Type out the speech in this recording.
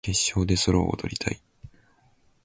決勝でソロを踊りたい